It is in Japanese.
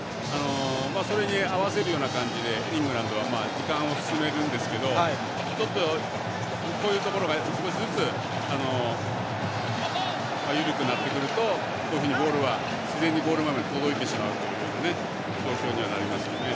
それに合わせるような形でイングランドは時間を進めるんですけどちょっと、こういうところが少しずつ緩くなってくるとこういうふうにボールは自然にゴール場面に届いてしまうという状況になりますよね。